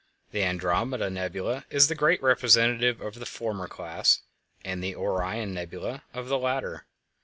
The Andromeda Nebula is the great representative of the former class and the Orion Nebula of the latter.